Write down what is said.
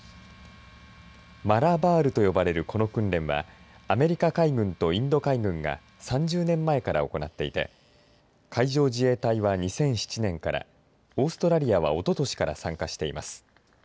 マラバールと呼ばれるこの訓練はアメリカ海軍とインド海軍が３０年前から行っていて海上自衛隊は２００７年からオーストラリアはおととしから参加しています。